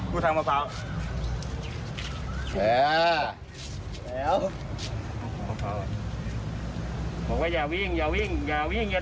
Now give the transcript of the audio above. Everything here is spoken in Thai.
ดูอะไรวะ